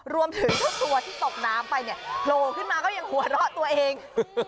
รวมถึงเจ้าตัวที่ตกน้ำไปเนี่ยโผล่ขึ้นมาก็ยังหัวเราะตัวเอง